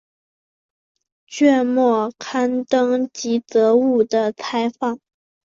卷末刊登吉泽务的采访。